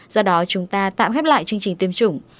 do đó chúng ta tạm khép lại chương trình tiêm chủng